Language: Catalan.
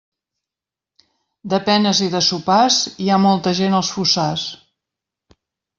De penes i de sopars, hi ha molta gent als fossars.